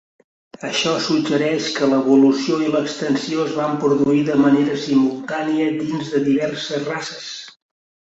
Això suggereix que l'evolució i l'extensió es van produir de manera simultània dins de diverses races.